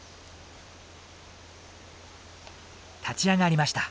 立ち上がりました。